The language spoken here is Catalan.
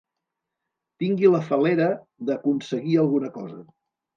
Tingui la fal·lera d'aconseguir alguna cosa.